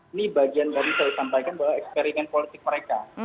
ini bagian dari saya sampaikan bahwa eksperimen politik mereka